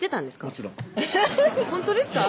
もちろんほんとですか？